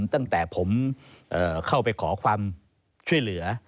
ตั้งแต่ผมเข้าไปขอความช่วยเหลือ